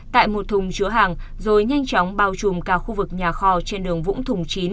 tại một thùng chứa hàng rồi nhanh chóng bao trùm cả khu vực nhà kho trên đường vũng thùng chín